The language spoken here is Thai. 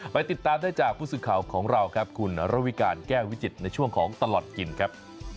ไปติดตามได้จากผู้สื่อข่าวของเราครับคุณระวิการแก้ววิจิตรในช่วงของตลอดกินครับ